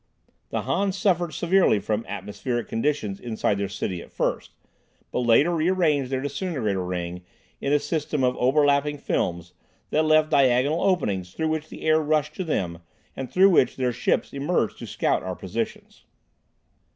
The Hans suffered severely from atmospheric conditions inside their city at first, but later rearranged their disintegrator ring in a system of overlapping films that left diagonal openings, through which the air rushed to them, and through which their ships emerged to scout our positions.